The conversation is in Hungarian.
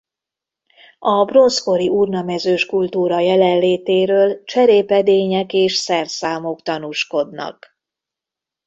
A bronzkori urnamezős kultúra jelenlétéről cserépedények és szerszámok tanúskodnak.